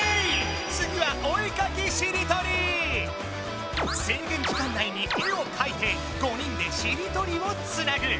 つぎはせいげん時間内に絵をかいて５人でしりとりをつなぐ。